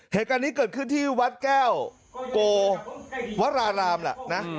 เหตุการณ์นี้เกิดขึ้นที่วัดแก้วโกวรารามแหละนะ